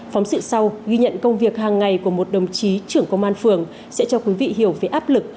phóng sự sau ghi nhận công việc hàng ngày của một đồng chí trưởng công an phường sẽ cho quý vị hiểu về áp lực